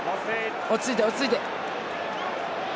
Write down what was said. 落ち着いて、落ち着いて。